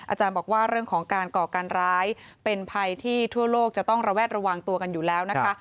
อาจารย์บอกว่าเรื่องของการก่อการร้ายเป็นภัยที่ทั่วโลกจะต้องระแวดระวังตัวกันอยู่แล้วนะคะ